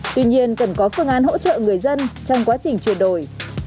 tuy nhiên cần có phương án hỗ trợ người dân trong quá trình chuyển đổi